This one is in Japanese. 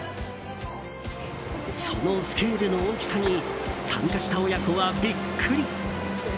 そのスケールの大きさに参加した親子はビックリ。